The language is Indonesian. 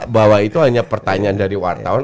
bahwa itu hanya pertanyaan dari wartawan